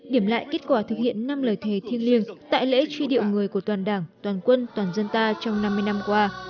điểm lại kết quả thực hiện năm lời thề thiêng liêng tại lễ truy điệu người của toàn đảng toàn quân toàn dân ta trong năm mươi năm qua